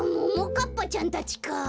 ももかっぱちゃんたちか。